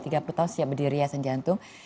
tiga puluh tahun siap berdiri ya sen jantung